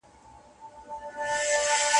پټ دي له رویبار څخه اخیستي سلامونه دي.